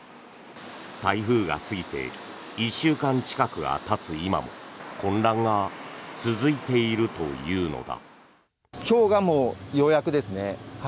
台風が過ぎて１週間近くがたつ今も混乱が続いているというのだ。